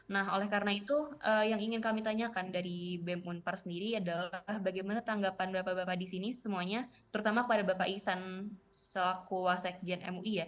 nah oleh karena itu yang ingin kami tanyakan dari bem unpar sendiri adalah bagaimana tanggapan bapak bapak disini semuanya terutama pada bapak isan sekuasajian mui ya